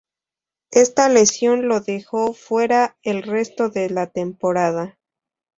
Esta lesión lo dejó fuera el resto de la temporada.